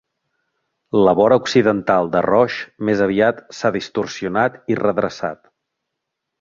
La vora occidental de Roche més aviat s'ha distorsionat i redreçat.